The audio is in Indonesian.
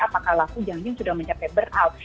apakah laku jangan jangan sudah mencapai burnout